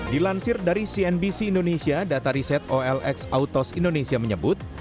dilansir dari cnbc indonesia data riset olx autos indonesia menyebut